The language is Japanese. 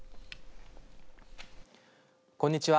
こんにちは。